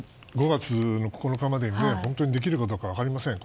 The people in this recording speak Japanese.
５月９日までに本当にできるかどうか分かりません。